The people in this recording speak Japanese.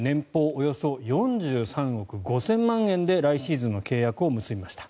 およそ４３億５０００万円で来シーズンの契約を結びました。